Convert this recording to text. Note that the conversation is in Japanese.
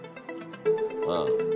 ああ。